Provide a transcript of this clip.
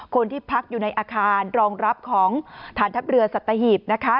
คนที่พักอยู่ในอาคารรองรับของฐานทัพเรือสัตหีบนะคะ